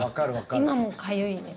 今もかゆいです。